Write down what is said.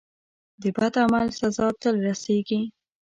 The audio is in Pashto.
د بد عمل سزا تل رسیږي.